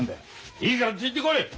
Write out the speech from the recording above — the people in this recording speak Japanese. いいからついてこい！